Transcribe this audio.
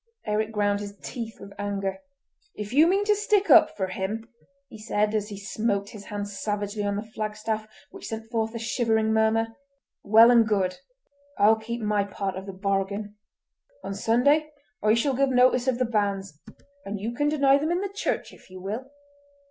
Eric ground his teeth with anger. "If you mean to stick up for him," he said, as he smote his hands savagely on the flagstaff, which sent forth a shivering murmur, "well and good. I'll keep my part of the bargain. On Sunday I shall give notice of the banns, and you can deny them in the church if you will.